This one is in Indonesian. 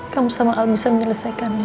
kamu sama al bisa menyelesaikannya